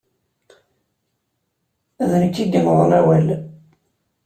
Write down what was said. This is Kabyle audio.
D nekk ay yennḍen awal.